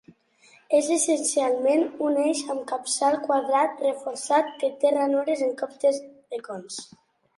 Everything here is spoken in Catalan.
És essencialment un eix amb capçal quadrat reforçat que té ranures en comptes de cons.